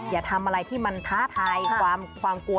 อย่าทำอะไรที่มันท้าทายความกลัว